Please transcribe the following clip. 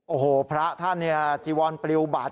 โอ้โหพระท่านเนี่ยจีวอนปลิวบาด